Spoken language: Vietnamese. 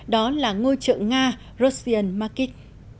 đó là ngôi chợ nga russian market